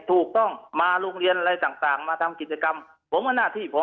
ถูกต้องมาโรงเรียนอะไรต่างมาทำกิจกรรมผมว่าหน้าที่ผม